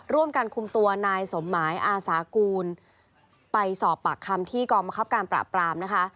ร่วมกันคุมตัวนายสมหมายอาสากูลไปสอบปากคำที่กองบังคับการปราบปรามนะคะ